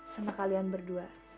sama kalian berdua